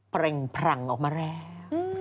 เพลงพรั่งออกมาแล้ว